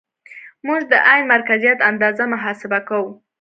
موږ د عین مرکزیت اندازه محاسبه کوو